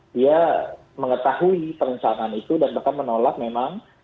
dia mengetahui perencanaan itu dan bahkan menolak memang